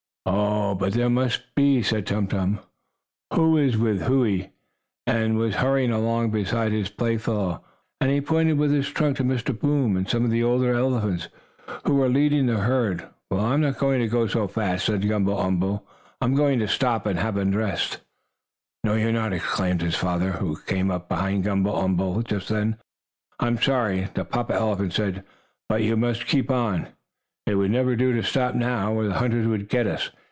"Oh, but there must be," said Tum Tum, who, with Whoo ee, was hurrying along beside his play fellow. "Otherwise they wouldn't make us go so fast," and he pointed with his trunk to Mr. Boom, and some of the older men elephants, who were leading the herd. "Well, I'm not going to go so fast," said Gumble umble. "I'm going to stop and have a rest." "No, you're not!" exclaimed his father, who came up behind Gumble umble, just then. "I'm sorry," the papa elephant said, "but you must keep on. It would never do to stop now, or the hunters would get us.